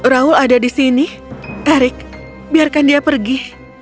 raul ada di sini tarik biarkan dia pergi